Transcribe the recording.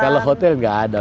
kalau hotel gak ada